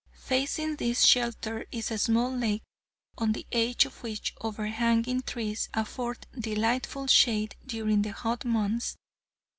Facing this shelter is a small lake, on the edge of which overhanging trees afford delightful shade during the hot months.